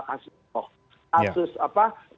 kasih tahu rasus apa